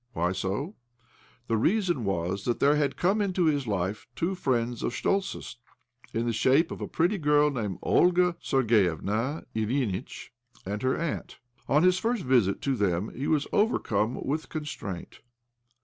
Why so ? The reason was thaj^ there had come into his life two friends of Schtoltz's, in the shape of a pretty girl named Olga Sergievna Ilyinitch and her aunt. On his first visit to them he was overcome with constraint.